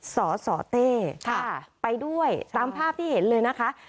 สสเต้ไปด้วยตามภาพที่เห็นเลยนะคะ